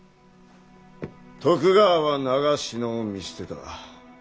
徳川は長篠を見捨てた。